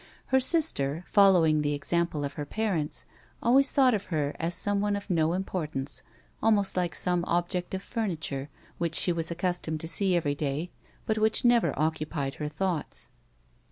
Her sister, following the example of her parents, ahvays thought of her as of some one of no importance, almost like some object of furniture which she was accustomed to see every day but which never occupied her thoughts.